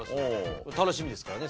楽しみですからね